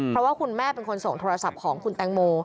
เพราะว่าคุณแม่เป็นคนส่งโทรศัพท์ของคุณแตงโม